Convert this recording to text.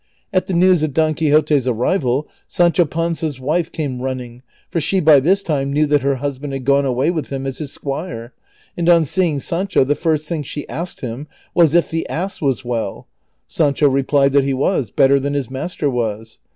At the news of Don Quixote's arrival Sancho Panza's wife came running, for she by this time knew that her husband had gone away with him as his squire, and on seeing Sancho, the first thing she asked him was if the ass was well. Sancho re plied that he was, better than his master was.